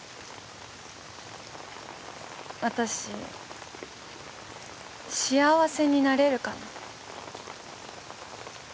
私幸せになれるかな？